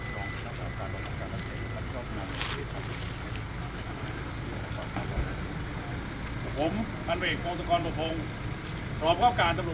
ตรงนี้ผมท่านเวกโครงสงครประพงษ์รอบโครงการสำรุป